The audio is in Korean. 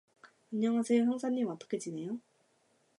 안녕하세요 형사님 어떻게지내요?